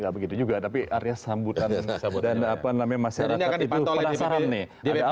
nggak begitu juga tapi area sambutan dan apa namanya masyarakat itu penasaran nih